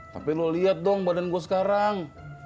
tapi lo lihat dong badan gue sekarang